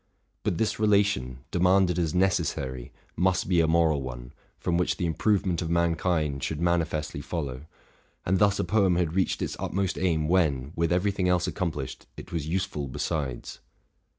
But this relation, demanded as necessary , must be a moral one, from which the improvement of mankind should manifestly follow :: and thus a poem had reached its utmost aim when, with every thing else accomplished, it was useful besides.